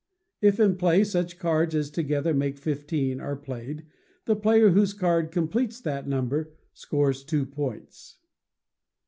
If in play, such cards as together make fifteen are played, the player whose card completes that number, scores two points.